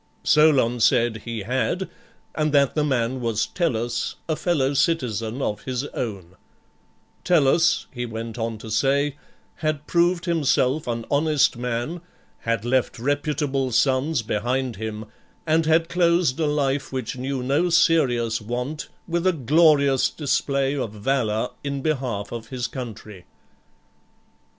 Soion said he had, and that the man was Tellus, a fellow citizen of his own; Tellus, he went on to say, had proved himself an honest man, had left reputable sons behind him, and had closed a life which knew no serious want with a glorious display of valour in behalf of his country.